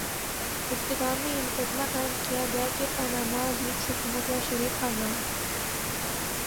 ابتدا میں یہ مقدمہ قائم کیا گیا کہ پاناما لیکس حکومت یا شریف خاندان